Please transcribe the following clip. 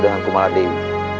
dengan kumala dewi